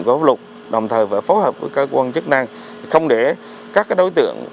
của hợp lục đồng thời phải phối hợp với cơ quan chức năng không để các đối tượng